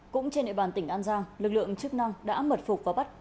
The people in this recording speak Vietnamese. cũng trên địa bàn tỉnh an giang lực lượng chức năng đã mật phục và bắt